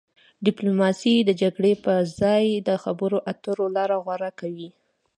ډیپلوماسي د جګړې پر ځای د خبرو اترو لاره غوره کوي.